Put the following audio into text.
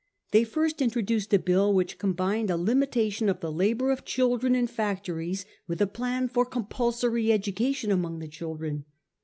They first introduced a bill which combined a limitation of the labour of children in factories with a plan for com pulsory education among the children.